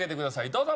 どうぞ。